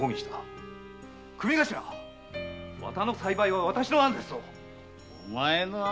組頭綿の栽培は私の案ですぞ！